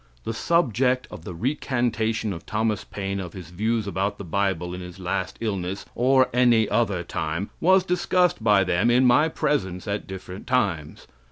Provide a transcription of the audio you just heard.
The subject of the recantation of Thomas Paine of his views about the Bible in his last illness, or any other time, was discussed by them in my presence at different times.